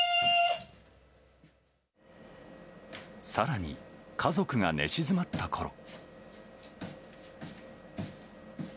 さらに、家族が寝静まったころ。